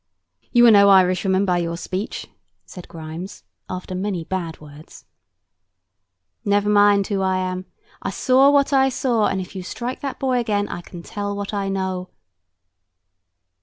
"You are no Irishwoman, by your speech," said Grimes, after many bad words. "Never mind who I am. I saw what I saw; and if you strike that boy again, I can tell what I know."